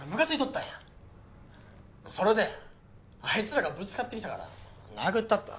それであいつらがぶつかってきたから殴ったった。